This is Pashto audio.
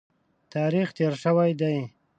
تاریخ تېر شوی دی.